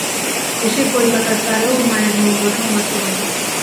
এসে কলিকাতার তারেও মায়ের মঙ্গল সংবাদ পেলুম।